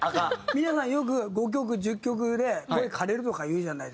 皆さんよく５曲１０曲で喉かれるとかいうじゃないですか。